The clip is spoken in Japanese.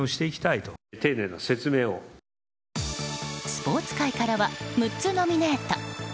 スポーツ界からは６つノミネート。